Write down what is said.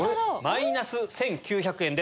マイナス１９００円です。